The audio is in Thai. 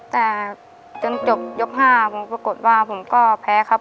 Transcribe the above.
แต่จนจบยก๕ผมปรากฏว่าผมก็แพ้ครับ